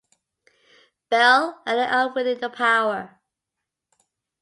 Biel ended up winning the power.